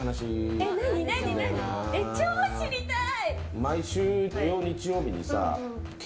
超知りたい。